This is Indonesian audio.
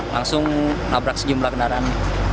langsung nabrak sejumlah kendaraan